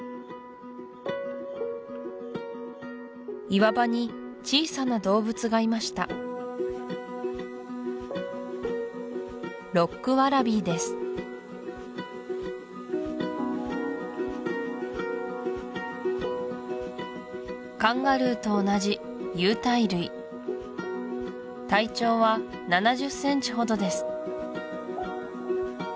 岩場に小さな動物がいましたカンガルーと同じ有袋類体長は７０ｃｍほどです